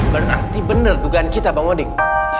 berarti bener dugaan kita bang wading